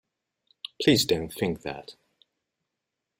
Please don't think that.